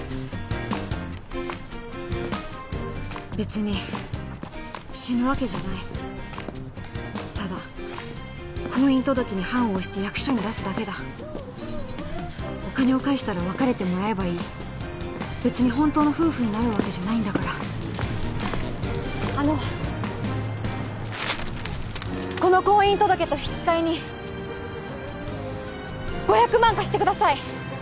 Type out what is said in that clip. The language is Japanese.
べつに死ぬわけじゃないただ婚姻届に判を捺して役所に出すだけだお金を返したら別れてもらえばいいべつに本当の夫婦になるわけじゃないんだからあのこの婚姻届と引き換えに５００万貸してください